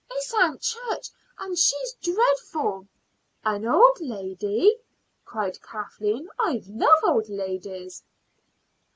"It's Aunt Church, and she's dreadful." "An old lady?" cried Kathleen. "I love old ladies."